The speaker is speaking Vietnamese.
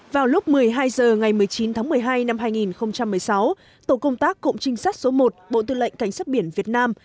vào lúc một mươi hai h ngày một mươi chín tháng một mươi hai năm hai nghìn một mươi sáu tổ công tác cụm trinh sát số một bộ tư lệnh cảnh sát biển việt nam